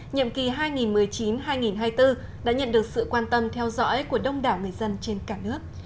nhiệm kỳ hai nghìn một mươi chín hai nghìn hai mươi bốn đã nhận được sự quan tâm theo dõi của đông đảo người dân trên cả nước